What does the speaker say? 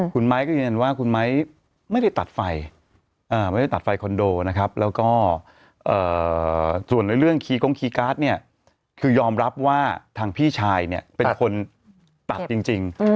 คุณไม้ก็ยืนยันว่าคุณไม้ไม่ได้ตัดไฟไม่ได้ตัดไฟคอนโดนะครับแล้วก็ส่วนในเรื่องคีกงคีย์การ์ดเนี่ยคือยอมรับว่าทางพี่ชายเนี่ยเป็นคนตัดจริง